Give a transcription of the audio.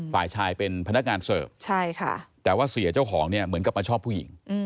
ฝ่ายชายเป็นพนักงานเสิร์ฟแต่ว่าเสียเจ้าของเนี่ยเหมือนกับมาชอบผู้หญิง